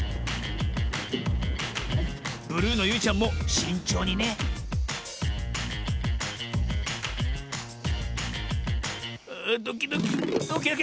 ブルーのゆいちゃんもしんちょうにねドキドキドキドキ。